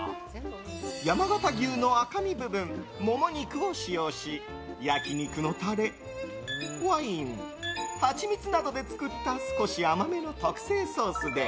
山形牛の赤身部分モモ肉を使用し焼き肉のタレ、ワインハチミツなどで作った少し甘めの特製ソースで。